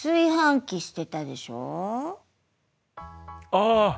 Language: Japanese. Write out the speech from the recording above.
ああ！